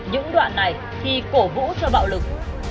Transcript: những đoạn này khi cổ vũ cho bạo lực